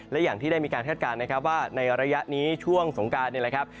และอย่างที่ได้มีการคาดการณ์นะครับว่าในระยะนี้ช่วงสงการนี่แหละครับ